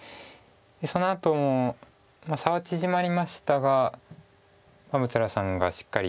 そのあとも差は縮まりましたが六浦さんがしっかり。